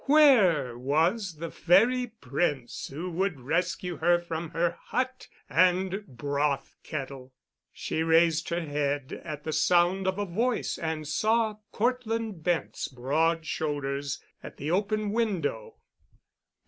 Where was the fairy prince who would rescue her from her hut and broth kettle? She raised her head at the sound of a voice and saw Cortland Bent's broad shoulders at the open window.